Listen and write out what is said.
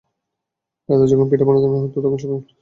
রাতে যখন পিঠা বানানো হতো, তখন সবাই হেঁশেলের ধারে গোল হয়ে বসতাম।